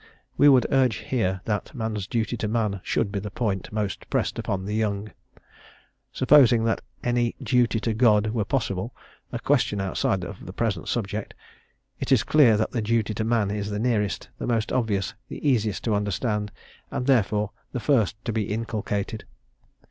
We would urge here that man's duty to man should be the point most pressed upon the young. Supposing that any "duty to God" were possible a question outside the present subject it is clear that the duty to man is the nearest, the most obvious, the easiest to understand, and therefore the first to be inculcated.